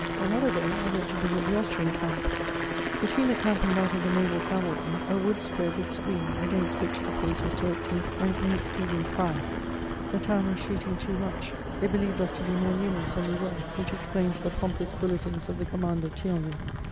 Another day, I went to visit the Austrian camp. Between the camp and that of the naval cavalry, a wood spread its screen, against which the place was directing an inexpedient fire; the town was shooting too much, it believed us to be more numerous than we were, which explains the pompous bulletins of the commander of Thionville.